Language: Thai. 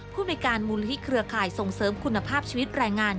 ผู้บริการมุนที่เครือข่ายส่งเสริมคุณภาพชีวิตแรงงาน